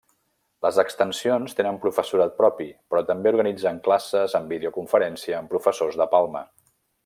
Les extensions tenen professorat propi, però també organitzen classes amb videoconferència amb professors de Palma.